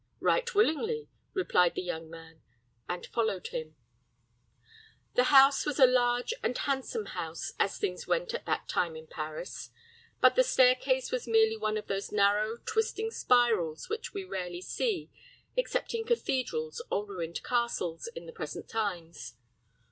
"Right willingly," replied the young man, and followed him. The house was a large and handsome house, as things went at that time in Paris; but the stair case was merely one of those narrow, twisting spirals which we rarely see, except in cathedrals or ruined castles, in the present times.